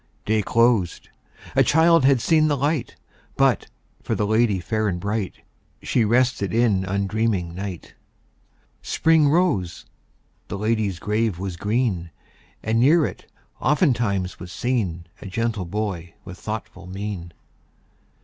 Day closed; a child had seen the light; But, for the lady fair and bright, She rested in undreaming night. Spring rose; the lady's grave was green; And near it, oftentimes, was seen A gentle boy with thoughtful mien.